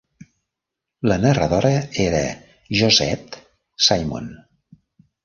La narradora era Josette Simon.